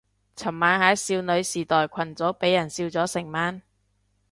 尋晚喺少女時代群組俾人笑咗成晚